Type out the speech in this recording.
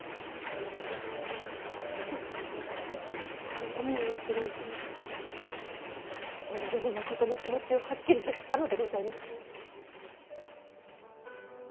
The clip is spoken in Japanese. そしてこのお美代を知るうちに己のまことの気持ちをはっきりと知ったのでございます。